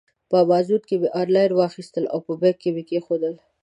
په امازان کې مې آنلاین واخیستل او په بیک کې مې کېښودل.